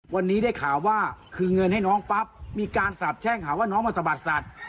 วันนี้ได้ข่าวว่าคืนเงินให้น้องปั๊บมีการสาบแช่งหาว่าน้องมาสะบัดสัตว์